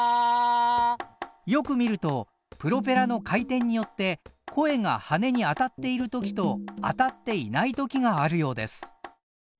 よく見るとプロペラの回転によって声が羽根に当たっている時と当たっていない時があるようです。